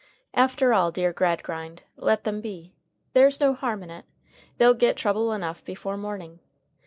After all, dear Gradgrind, let them be. There's no harm in it. They'll get trouble enough before morning.